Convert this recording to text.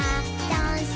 ダンス！